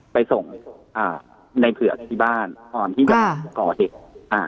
ไปส่งอ่าในเผือกที่บ้านก่อนที่จะก่อเหตุอ่า